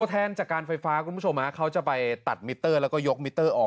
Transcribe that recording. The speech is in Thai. แทนจากการไฟฟ้าคุณผู้ชมฮะเขาจะไปตัดมิเตอร์แล้วก็ยกมิเตอร์ออก